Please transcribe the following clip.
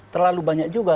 terlalu banyak juga